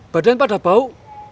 badan pada bau